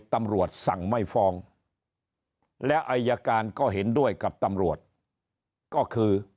ตำรวจสั่งไม่ฟ้องและอายการก็เห็นด้วยกับตำรวจก็คือ